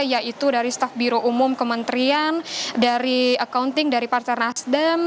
yaitu dari staf biro umum kementerian dari accounting dari partai nasdem